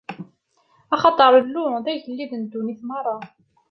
Axaṭer Illu, d Agellid n ddunit merra.